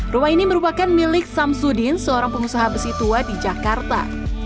rumah ini merupakan milik samsudin seorang pengusaha besi tua di jakarta